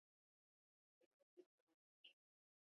افغانستان د اقلیم د ترویج لپاره پروګرامونه لري.